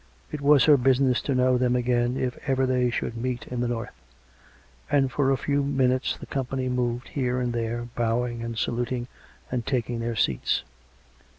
It was her business to know them again if ever they should meet in the north; and for a few minutes the company moved here and there, bowing and saluting, and taking their seats.